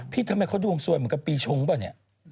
พี่ทำไมเขาดวงสวยเหมือนกับปีชุ้งเปล่านี่